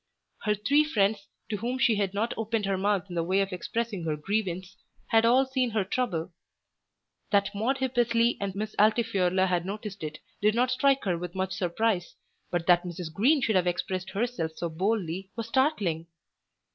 Her three friends, to whom she had not opened her mouth in the way of expressing her grievance, had all seen her trouble. That Maude Hippesley and Miss Altifiorla had noticed it did not strike her with much surprise, but that Mrs. Green should have expressed herself so boldly was startling.